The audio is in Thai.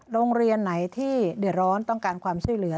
โรงเรียนไหนที่เดือดร้อนต้องการความช่วยเหลือ